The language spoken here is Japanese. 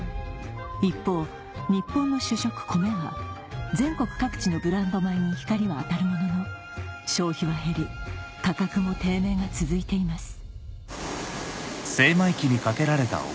一方日本の主食コメは全国各地のブランド米に光は当たるものの消費は減り価格も低迷が続いています